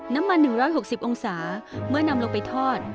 น้ำมัน๑๖๐องศาเมื่อนำลงไปทอด